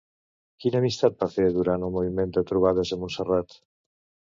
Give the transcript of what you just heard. Quina amistat va fer durant el moviment de Trobades a Montserrat?